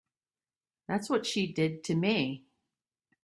That's what she did to me.